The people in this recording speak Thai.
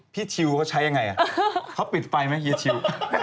ชิลเขาใช้ยังไงเขาปิดไฟไหมเฮียชิว